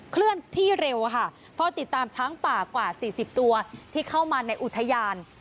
เคลื่อนที่เร็วค่ะเพราะติดตามช้างป่ากว่าสี่สิบตัวที่เข้ามาในอุทยาน